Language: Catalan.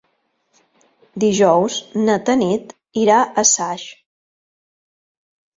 Dijous na Tanit irà a Saix.